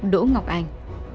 đỗ ngọc anh